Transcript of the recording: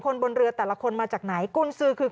บนเรือแต่ละคนมาจากไหนกุญสือคือ